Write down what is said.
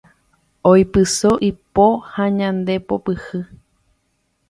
Oipyso ipo ha ñandepopyhy